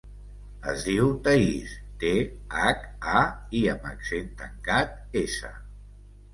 Es diu Thaís: te, hac, a, i amb accent tancat, essa.